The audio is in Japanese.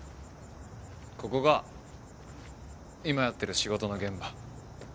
ここが今やってる仕事の現場。